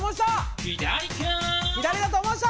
左だと思う人！